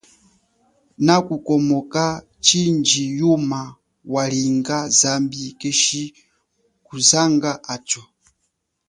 Nakukomoka chindji yuma walinga zambi keshi kuzanga acho.